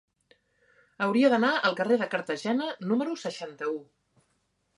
Hauria d'anar al carrer de Cartagena número seixanta-u.